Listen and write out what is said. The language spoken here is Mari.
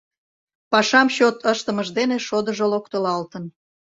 Пашам чот ыштымыж дене шодыжо локтылалтын.